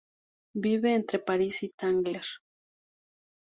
Vive entre París y Tanger.